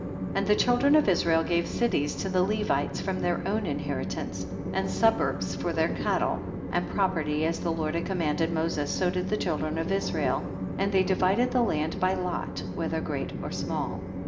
20. And the children of Israel gave cities to the Levites from their own inheritance, and suburbs for their cattle, and property, as the Lord had commanded Moses so did the children of Israel, and they divided the land by lot whether great or small.